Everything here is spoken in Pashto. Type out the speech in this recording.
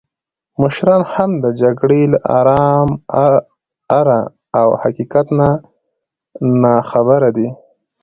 مشران هم د جګړې له آره او حقیقت نه ناخبره دي.